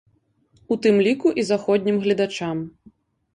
У тым ліку і заходнім гледачам.